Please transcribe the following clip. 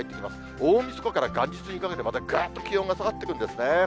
大みそかから元日にかけて、またぐっと気温が下がってくるんですね。